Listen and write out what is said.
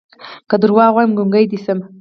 که دروغ وايم ګونګې دې شمه